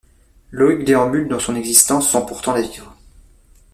Loïc déambule dans son existence sans pourtant la vivre.